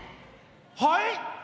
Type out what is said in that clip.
はい！？